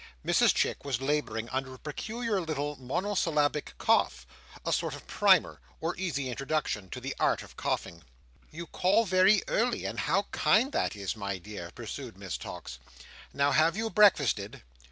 Mrs Chick was labouring under a peculiar little monosyllabic cough; a sort of primer, or easy introduction to the art of coughing. "You call very early, and how kind that is, my dear!" pursued Miss Tox. "Now, have you breakfasted?"